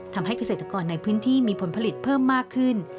ทำให้เกษตรกรในพื้นที่มีผลผลิตเพิ่มมากขึ้น